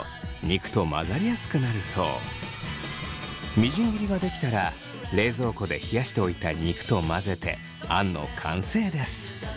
みじん切りができたら冷蔵庫で冷やしておいた肉と混ぜてあんの完成です。